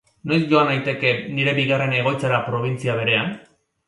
Noiz joan naiteke nire bigarren egoitzara probintzia berean?